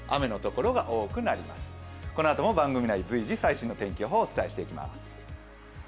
このあとも番組内、随時最新予報をお伝えしていきます。